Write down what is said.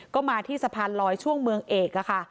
ก็มาที่สะพานลอยช่วงเมืองเอกค่ะ